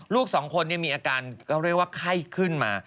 ลูกสองคนมีอาการเคราะห์ข้ายขึ้นมา